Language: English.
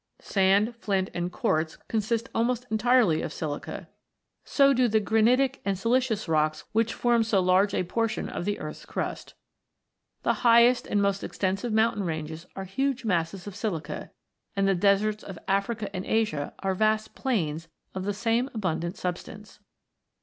Sand, flint, and quartz consist almost entirely of silica ; so do the granitic and siliceous rocks which form, so large a portion of the earth's crust. The highest and most extensive mountain ranges are huge masses of silica, and the deserts of Africa and Asia are vast plains of the same abundant substance.